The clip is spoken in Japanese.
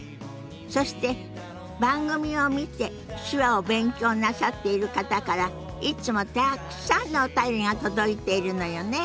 そして番組を見て手話を勉強なさっている方からいつもたくさんのお便りが届いているのよね？